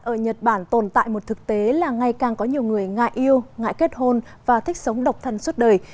ở nhật bản tồn tại một thực tế là ngày càng có nhiều người ngại yêu ngại kết hôn và thích sống độc thân suốt đời